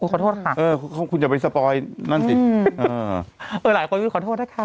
ขอโทษค่ะคุณจะไปสปอยนั่นสิหลายคนขอโทษนะคะ